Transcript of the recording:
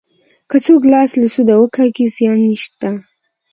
که څوک لاس له سوده وکاږي زیان نشته.